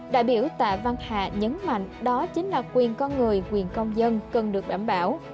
đại biểu tạ văn hà nhấn mạnh đó chính là quyền con người quyền công dân cần được đảm bảo